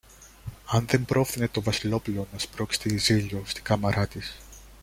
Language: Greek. αν δεν πρόφθαινε το Βασιλόπουλο να σπρώξει τη Ζήλιω στην κάμαρα της